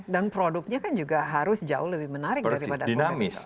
dan produknya kan juga harus jauh lebih menarik daripada produk yang lain